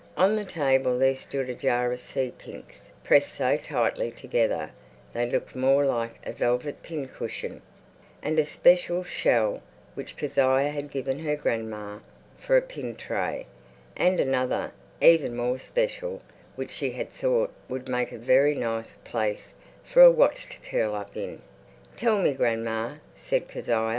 On the table there stood a jar of sea pinks, pressed so tightly together they looked more like a velvet pincushion, and a special shell which Kezia had given her grandma for a pin tray, and another even more special which she had thought would make a very nice place for a watch to curl up in. "Tell me, grandma," said Kezia.